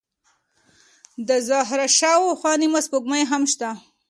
د زهره شاوخوا نیمه سپوږمۍ هم شته.